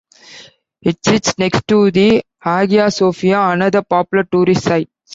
It sits next to the Hagia Sophia, another popular tourist site.